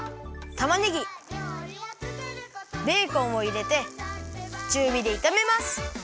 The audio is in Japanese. たまねぎベーコンをいれてちゅうびでいためます。